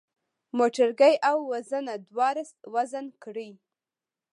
موټرګی او وزنه دواړه وزن کړئ.